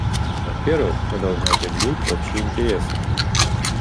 Во-первых, мы должны определить общие интересы.